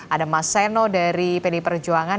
ada mas seno dari pdi perjuangan